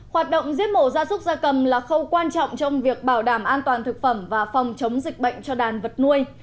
hoạt động giết mổ gia súc gia cầm là khâu quan trọng trong việc bảo đảm an toàn thực phẩm và phòng chống dịch bệnh cho đàn vật nuôi